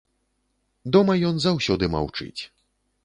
Дома ён заўсёды маўчыць.